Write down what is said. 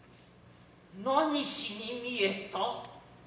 何しに見えた。